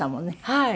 はい。